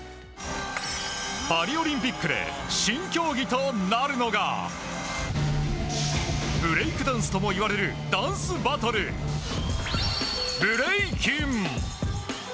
パリオリンピックで新競技となるのがブレイクダンスともいわれるダンスバトルブレイキン！